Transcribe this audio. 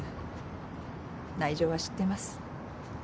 内情は知ってます。